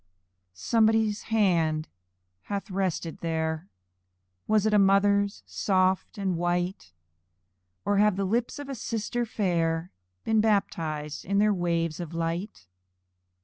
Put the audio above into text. Somebody's hand hath rested there; Was it a mother's, soft and white? Or have the lips of a sister fair Been baptized in their waves of light?